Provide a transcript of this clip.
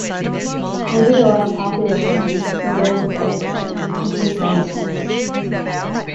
Maybe the less popular ones were those of eggplant, which were seasonal.